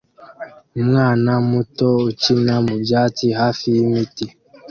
umwana muto ukina mubyatsi hafi yimiti